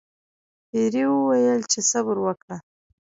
پیري وویل چې صبر وکړه.